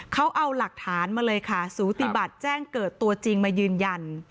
เขาเอาหลักฐานมาเลยค่ะสูติบัติแจ้งเกิดตัวจริงมายืนยัน